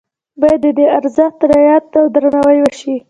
باید د دې ارزښت رعایت او درناوی وشي.